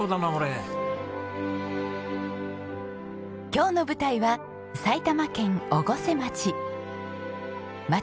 今日の舞台は埼玉県越生町。